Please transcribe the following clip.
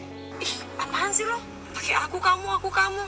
ih apaan sih lo pake aku kamu aku kamu